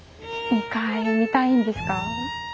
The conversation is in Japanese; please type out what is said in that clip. ２階見たいんですか？